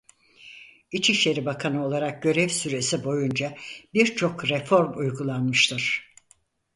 İçişleri bakanı olarak görev süresi boyunca birçok reform uygulanmıştır.